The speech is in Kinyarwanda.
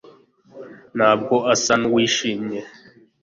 ntabwo asa nuwishimye